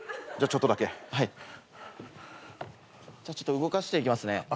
じゃちょっと動かしていきますね。